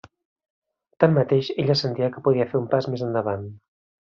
Tanmateix, ella sentia que podia fer un pas més endavant.